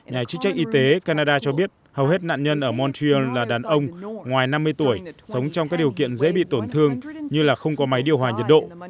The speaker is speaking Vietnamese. nhà chức trách y tế canada cho biết hầu hết nạn nhân ở montreal là đàn ông ngoài năm mươi tuổi sống trong các điều kiện dễ bị tổn thương như là không có máy điều hòa nhiệt độ